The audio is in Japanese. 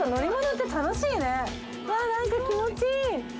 何か気持ちいい。